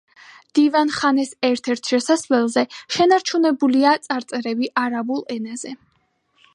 დივან-ხანეს ერთ-ერთ შესასვლელზე შენარჩუნებულია წარწერები არაბულ ენაზე.